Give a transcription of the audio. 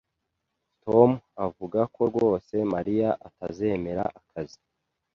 Tom avuga ko rwose Mariya atazemera akazi